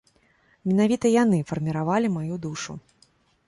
Менавіта яны фарміравалі маю душу.